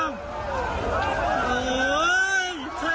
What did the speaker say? โอ๊ยช่วยให้